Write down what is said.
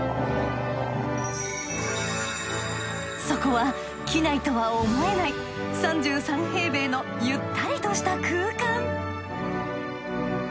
そこは機内とは思えない３３平米のゆったりとした空間。